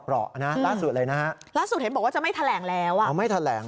ครั้งนี้ก็ไม่แถลงนะครับ